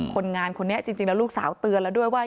คนงานคนนี้จริงแล้วลูกสาวเตือนแล้วด้วยว่า